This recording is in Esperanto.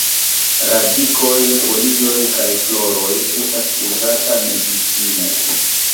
Radikoj, folioj kaj floroj estas uzata medicine.